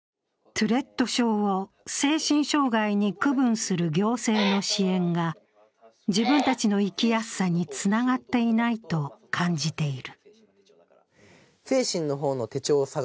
トゥレット症を精神障害に区分する行政の支援が自分たちの生きやすさにつながっていないと感じている。